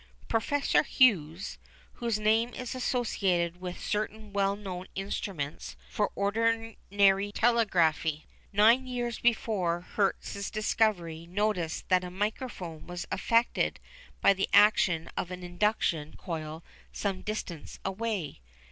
Professor Hughes, whose name is associated with certain well known instruments for ordinary telegraphy, nine years before Hertz' discovery noticed that a microphone was affected by the action of an induction coil some distance away.